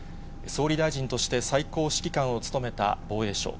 総理大臣として最高指揮官を務めた防衛省。